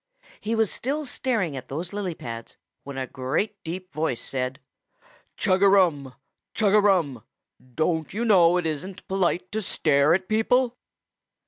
He was still staring at those lily pads when a great deep voice said: "Chug a rum! Chug a rum! Don't you know it isn't polite to stare at people?"